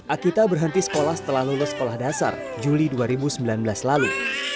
akita berhenti sekolah setelah lulus sekolah dasar juli dua ribu sembilan belas lalu